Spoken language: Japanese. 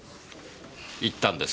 行ったんですか？